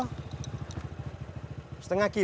halo setengah kilo